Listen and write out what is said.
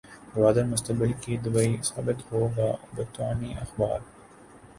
گوادر مستقبل کا دبئی ثابت ہوگا برطانوی اخبار